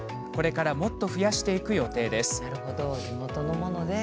これからもっと増やしていく予定です。